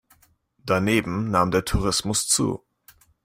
Daneben nahm der Tourismus zu.